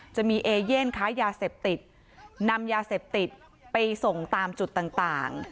จะมีเอเย่นค้ายาเสพติดนำยาเสพติดไปส่งตามจุดต่าง